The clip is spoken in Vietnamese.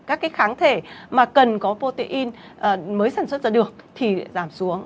các cái kháng thể mà cần có protein mới sản xuất ra được thì giảm xuống